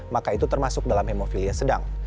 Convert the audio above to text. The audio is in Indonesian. maka itu termasuk dalam hemofilia sedang